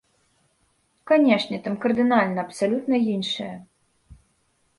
Канешне, там кардынальна, абсалютна іншае.